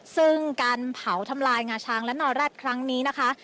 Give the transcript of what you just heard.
ซึ่งการเผาทำลายงาช้างและนอแร็ดครั้งนี้นะคะ